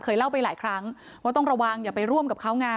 เล่าไปหลายครั้งว่าต้องระวังอย่าไปร่วมกับเขาไง